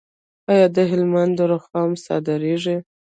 آیا د هلمند رخام صادریږي؟